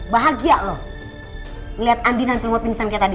bahagia lo liat andi nanti mau pingsan kayak tadi